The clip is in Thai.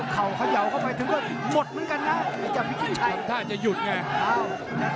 เขาเขย่าเข้าไปถึงหมดเหมือนกันไหมรึยังอยู่ที่ไข่